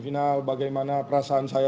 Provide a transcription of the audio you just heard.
ini adalah tema tempat